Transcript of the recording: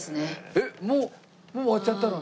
えっもう終わっちゃったの？